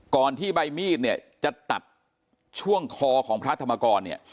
ก่อนที่ใบมีดจะตัดช่วงคอของพระธรรมกร